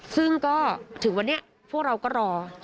ซึ่งก็ถึงวันนี้พวกเราก็รอ